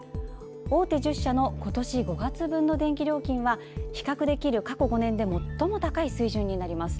大手１０社の今年５月分の電気料金は比較できる過去５年で最も高い水準になります。